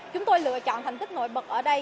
chúng tôi lựa chọn thành tích nổi bật ở đây